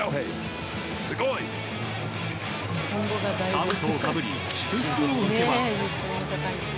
かぶとをかぶり祝福を受けます。